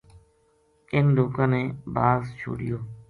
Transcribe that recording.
اِنھ لوکاں نے باز چھوڈیو